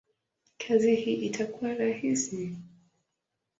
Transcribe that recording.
kazi hii itakuwa rahisi?